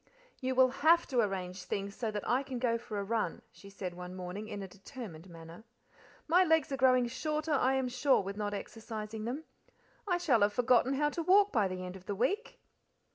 "You will HAVE to arrange things so that I can go for a run," she said one morning, in a determined manner. "My legs are growing shorter, I am sure, with not exercising them. I shall have forgotten how to walk by the end of the week."